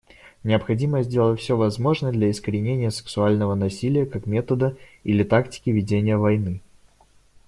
Необходимо сделать все возможное для искоренения сексуального насилия как метода или тактики ведения войны.